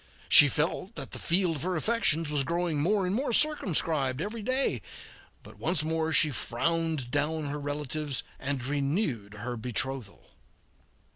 She felt that the field of her affections was growing more and more circumscribed every day, but once more she frowned down her relatives and renewed her betrothal.